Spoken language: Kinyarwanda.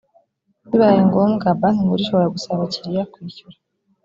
bibaye ngombwa banki nkuru ishobora gusaba abakiriya kwishyura.